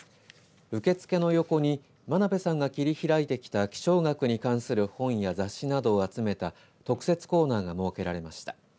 受付の横に真鍋さんが切り開いてきた気象学に関する本や雑誌などを集めた特設コーナーが設けられました。